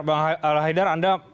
bang al haidar